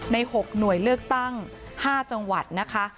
ใน๖หน่วยเลือกตั้ง๕จังหวัดนะคะ